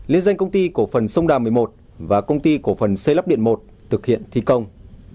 liên danh công ty cổ phần sông đà một mươi một và công ty cổ phần xây lắp điện một thực hiện thi công